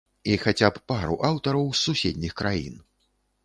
І хаця б пару аўтараў з суседніх краін.